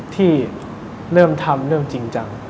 ที่เริ่มทำเริ่มจริงจัง